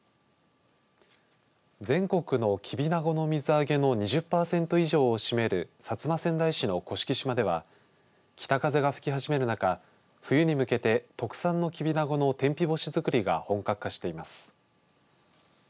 全国のきびなごの水揚げの２０パーセント以上を占める薩摩川内市の甑島では北風が吹き始める中冬に向けて特産のきびなごの天日干しづくりが本格化しています。